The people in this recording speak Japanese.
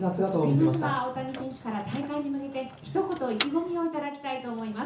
まずは大谷選手から大会に向けてひと言、意気込みを頂きたいと思います。